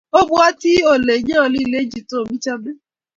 obwoti ale nyoluu ilenchi Tom ichome